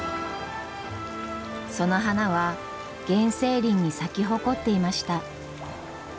その花は原生林に咲き誇っていました。